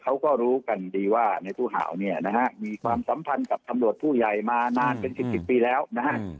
เขาก็รู้กันดีว่าในตู้เห่าเนี่ยนะฮะมีความสัมพันธ์กับตำรวจผู้ใหญ่มานานเป็นสิบสิบปีแล้วนะฮะ